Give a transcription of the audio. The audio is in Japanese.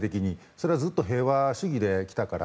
それはずっと平和主義で来たから。